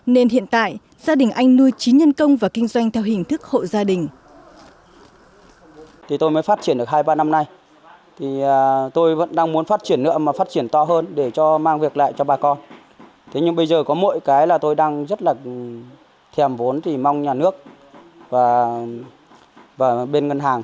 nên hiện tại gia đình anh nuôi chí nhân công và kinh doanh theo hình thức hộ gia đình